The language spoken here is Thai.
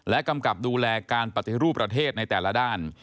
กำกับดูแลการปฏิรูปประเทศในแต่ละด้าน